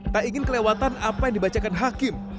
tak ingin kelewatan apa yang dibacakan hakim